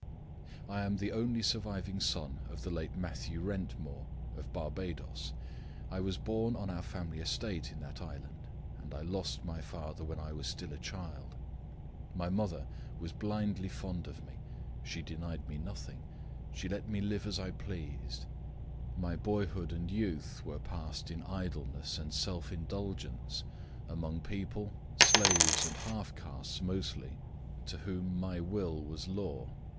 "I am the only surviving son of the late Mathew Wrentmore, of Barbadoes. I was born on our family estate in that island, and I lost my father when I was still a child. My mother was blindly fond of me; she denied me nothing, she let me live as I pleased. My boyhood and youth were passed in idleness and self indulgence, among people slaves and half castes mostly to whom my will was law.